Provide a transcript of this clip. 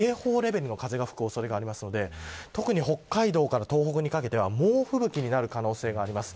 特に赤やオレンジの所では警報レベルの風が吹く恐れがあるので特に北海道から東北にかけては猛吹雪になる可能性があります。